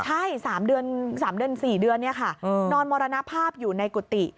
ใช่สามเดือนสี่เดือนเนี่ยค่ะนอนมรณภาพอยู่ในกุฏิ